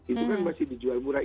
itu kan masih dijual murah